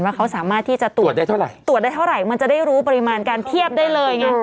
ว่าเขาสามารถที่จะตรวจได้เท่าไหร่มันจะได้รู้ปริมาณการเทียบได้เลยไง